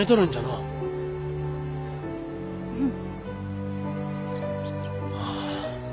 うん。